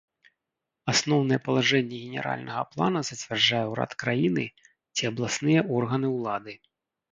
Асноўныя палажэнні генеральнага плана зацвярджае ўрад краіны ці абласныя органы ўлады.